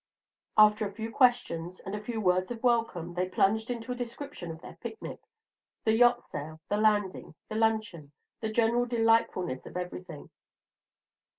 After a few questions and a few words of welcome, they plunged into a description of their picnic, the yacht sail, the landing, the luncheon, the general delightfulness of everything.